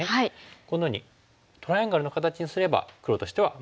このようにトライアングルの形にすれば黒としては満足ですよね。